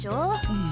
うん。